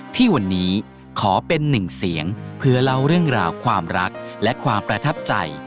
ที่วันนี้ขอเป็นหนึ่งเสียงเพื่อเล่าเรื่องราวความรักและความประทับใจ